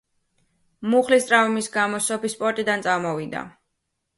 მუხლის ტრავმის გამო სოფი სპორტიდან წამოვიდა.